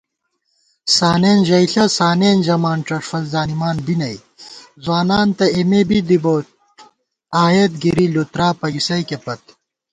سانېن ژَئیݪہ سانېن ژَمان ڄݭفل زانِمان بی نئ * ځوانان تہ اېمے بی دِبوئیت آئیت گِرِی لُترا پگِسَئیکے پت